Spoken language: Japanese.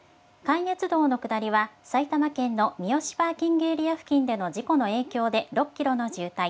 関越道の下りは埼玉県の三芳パーキングエリア付近の事故の影響で６キロの渋滞。